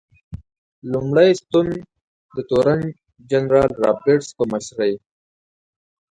لومړی ستون د تورن جنرال رابرټس په مشرۍ.